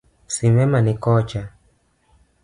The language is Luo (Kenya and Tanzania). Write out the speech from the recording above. Simena ni kocha.